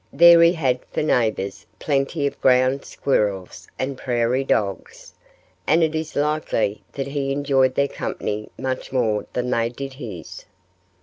There he had for neighbors plenty of ground squirrels and prairie dogs. And it is likely that he enjoyed their company much more than they did his.